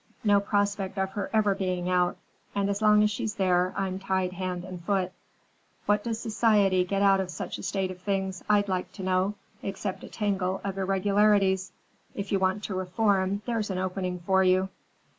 No prospect of her ever being out, and as long as she's there I'm tied hand and foot. What does society get out of such a state of things, I'd like to know, except a tangle of irregularities? If you want to reform, there's an opening for you!"